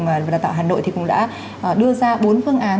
vùng đà tạo hà nội thì cũng đã đưa ra bốn phương án